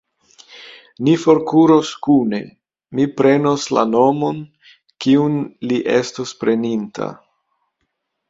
Ni forkuros kune: mi prenos la nomon, kiun li estos preninta.